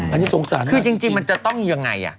อันนี้สงสารคือจริงมันจะต้องยังไง